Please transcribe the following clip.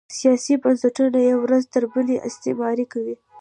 سیاسي بنسټونه یې ورځ تر بلې استثماري کول